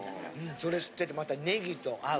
それ吸っててまたねぎと合う。